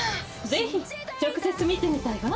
「ぜひ直接見てみたいわ」